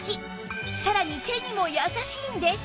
さらに手にも優しいんです